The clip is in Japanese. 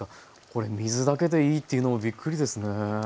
これ水だけでいいというのもびっくりですね。